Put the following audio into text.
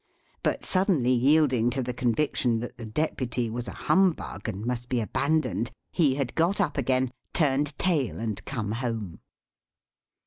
But suddenly yielding to the conviction that the Deputy was a humbug, and must be abandoned, he had got up again, turned tail and come home.